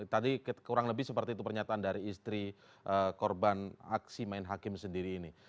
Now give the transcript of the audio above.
tadi kurang lebih seperti itu pernyataan dari istri korban aksi main hakim sendiri ini